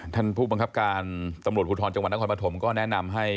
ท่านผู้บังคับการตำรวจภูทรจังหวัดนครปฐมก็แนะนำให้